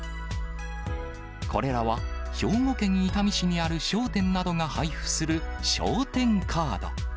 これらは、兵庫県伊丹市にある商店などが配布する商店カード。